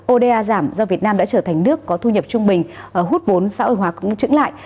oda giảm do việt nam đã trở thành nước có thu nhập trung bình hút vốn xã hội hóa cũng trứng lại